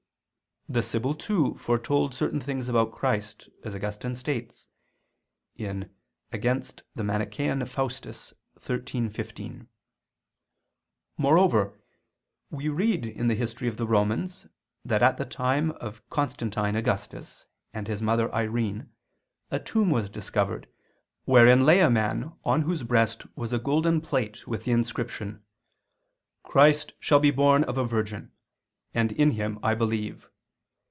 The Sibyl too foretold certain things about Christ, as Augustine states (Contra Faust. xiii, 15). Moreover, we read in the history of the Romans, that at the time of Constantine Augustus and his mother Irene a tomb was discovered, wherein lay a man on whose breast was a golden plate with the inscription: "Christ shall be born of a virgin, and in Him, I believe.